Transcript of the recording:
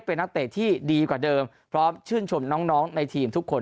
เป็นนักเตะที่ดีกว่าเดิมพร้อมชื่นชมน้องในทีมทุกคน